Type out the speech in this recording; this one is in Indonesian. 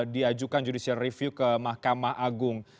diajukan judicial review ke mahkamah agung